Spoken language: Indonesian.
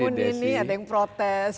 mungkin bangun ini ada yang protes